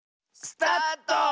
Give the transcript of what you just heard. スタート！